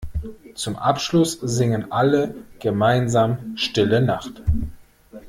Zum Abschluss singen alle gemeinsam Stille Nacht.